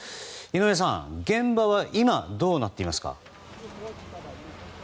井上さん、現場は今どうなっていますか？